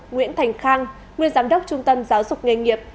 nguyễn thành khang nguyên giám đốc trung tâm giáo dục nghề nghiệp